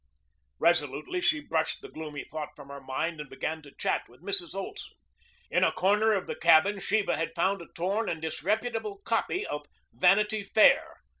Resolutely she brushed the gloomy thought from her mind and began to chat with Mrs. Olson. In a corner of the cabin Sheba had found a torn and disreputable copy of "Vanity Fair."